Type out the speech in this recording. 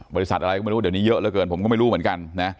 บริษัทอะไรก็ไม่รู้เดี๋ยวนี้เยอะเหลือเกินผมก็ไม่รู้เหมือนกันนะ